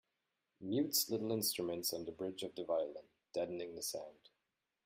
Mutes little instruments on the bridge of the violin, deadening the sound.